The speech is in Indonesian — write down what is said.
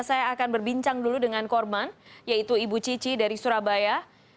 saya akan berbincang dulu dengan korban yaitu ibu cici dari surabaya